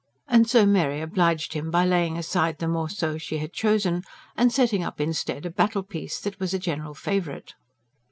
And so Mary obliged him by laying aside the MORCEAU she had chosen, and setting up instead a "battle piece," that was a general favourite.